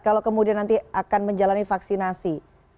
kalau kemudian nanti akan menjalani vaksinasi